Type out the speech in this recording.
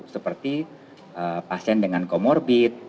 seperti pasien dengan comorbid